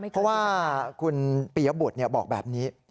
เพราะว่าคุณปียบุตรบอกแบบนี้